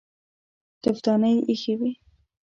تفدانۍ ايښې وې.